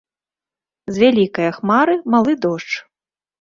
З вялікае хмары малы дождж